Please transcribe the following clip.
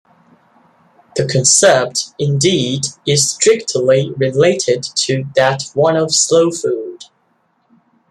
The concept indeed is strictly related to that one of Slow Food.